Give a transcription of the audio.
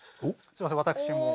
すいません私も。